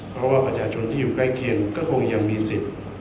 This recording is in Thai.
เพราะว่าประชาชนที่อยู่ใกล้เคียงก็คงยังมีสิทธิ์